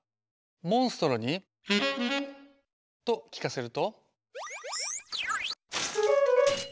モンストロに。と聞かせると。